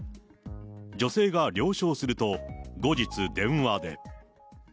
女性が了承すると、後日、電話で。